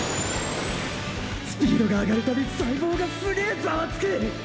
スピードが上がる度細胞がすげーざわつく！！